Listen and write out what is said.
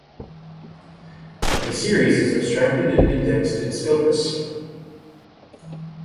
The series is abstracted and indexed in Scopus.